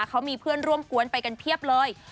เขามีเพื่อนร่วมกวนไปกันเพียบเลย